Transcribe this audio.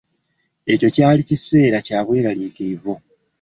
Ekyo kyali kiseera kyabwerariikirivu.